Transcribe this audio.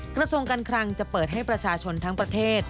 กระทรวงการคลังจะเปิดให้ประชาชนทั้งประเทศ